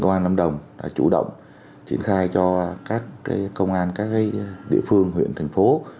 công an lâm đồng đã chủ động triển khai cho các công an các địa phương huyện thành phố